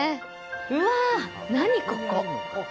うわあ、何ここ。